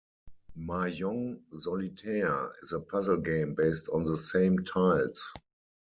Mahjong solitaire is a puzzle game based on the same tiles.